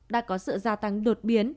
đã có sự gia tăng đột biến